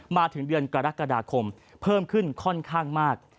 มาถึงเดือนกรกฎาคมเพิ่มขึ้นค่อนข้างมาก